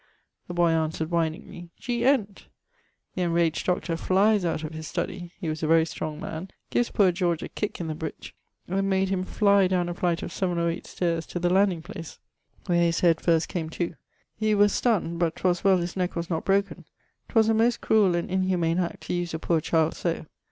The boy answered (whiningly) 'G. Ent.' The enraged doctor flies out of his study (he was a very strong man), gives poore George a kick in the breech, and made him fly downe a flight of 7 or 8 staires to the landing place, where his head first came to. He was stunn'd, but 'twas well his neck was not broken. 'Twas a most cruel and inhumane act to use a poore child so.